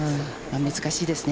難しいですね。